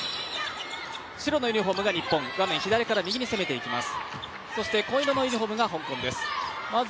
白のユニフォームが日本画面左から右に攻めていきます。